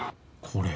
これ。